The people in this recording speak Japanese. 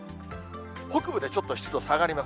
北部でちょっと湿度下がります。